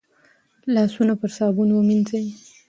لاسونه په صابون ووينځئ